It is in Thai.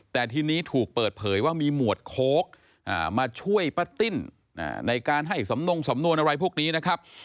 แต่ทีนี้ถูกเปิดเผยว่ามีหมวดโค้กมาช่วยป้าติ้นในการให้สำนงสำนวนอะไรพวกนี้นะครับ